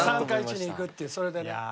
３か１にいくっていうそれでね。